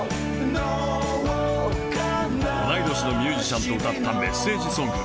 同い年のミュージシャンと歌ったメッセージソング。